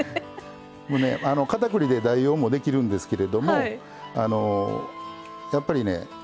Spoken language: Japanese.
片栗で代用もできるんですけれどもやっぱりね